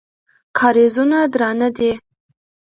کارېزونه درانه دي.